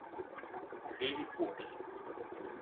Fill únic.